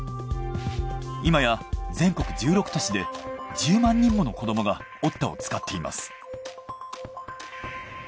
今や全国１６都市で１０万人もの子どもがｏｔｔａを使っています。